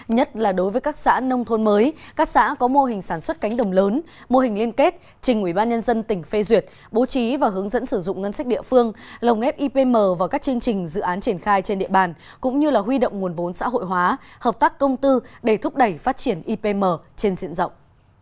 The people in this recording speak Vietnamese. nhất là đối với các xã nông thôn mới các xã có mô hình sản xuất cánh đồng lớn mô hình liên kết trình ubnd tỉnh phê duyệt bố trí và hướng dẫn sử dụng ngân sách địa phương lồng ép ipm vào các chương trình dự án triển khai trên địa bàn cũng như huy động nguồn vốn xã hội hóa hợp tác công tư để thúc đẩy phát triển ipm trên diện rộng